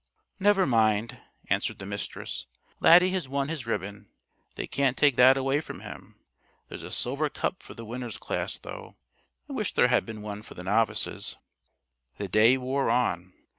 "Never mind!" answered the Mistress. "Laddie has won his ribbon. They can't take that away from him. There's a silver cup for the Winners' class, though. I wish there had been one for the Novices." The day wore on.